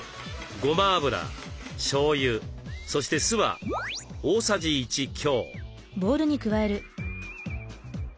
ごま油しょうゆそして酢は大さじ１強。